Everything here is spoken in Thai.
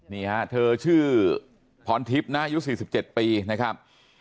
นี่ฮะเธอชื่อพรทิพย์นะอายุ๔๗ปีนะครับ